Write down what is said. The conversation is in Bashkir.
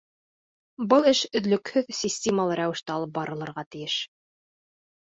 Был эш өҙлөкһөҙ, системалы рәүештә алып барылырға тейеш.